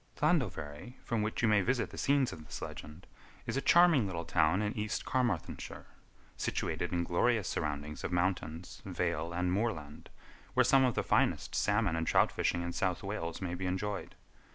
Llandovery, from which place you may visit the scenes of this legend, is a charming little town in East Carmarthenshire, situated in glorious surroundings of mountains, vale, and moorland, where some of the finest salmon and trout fishing in South Wales may be enjoyed.